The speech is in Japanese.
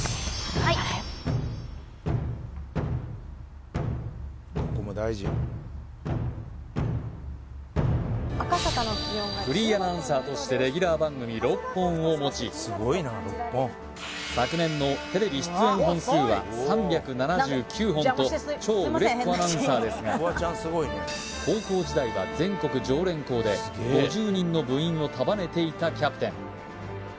はいフリーアナウンサーとしてレギュラー番組６本を持ち昨年のテレビ出演本数は３７９本と超売れっ子アナウンサーですが高校時代は全国常連校で５０人の部員を束ねていたキャプテン